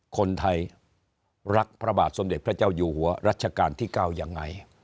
คนไทยรักพระบาทสมเด็จพระเจ้าอยู่หัวรัชกาลที่๙ยังไง